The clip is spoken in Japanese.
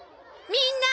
みんな！